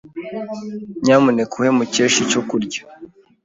Nyamuneka uhe Mukesha icyo kurya.